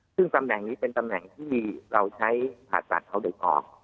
ซึ่งตำแหน่งนี้เป็นตำแหน่งที่เราใช้ผ่าตัดเอาเด็กออก